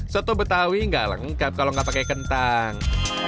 soto betawi nggak lengkap kalau nggak pakai kentang